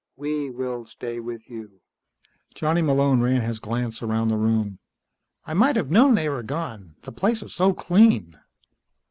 We will stay with you." Johnny Malone ran his glance around the room. "I might have known they were gone. The place is so clean."